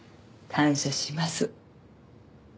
感謝します。